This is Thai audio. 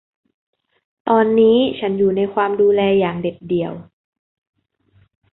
ตอนนี้ฉันอยู่ในความดูแลอย่างเด็ดเดี่ยว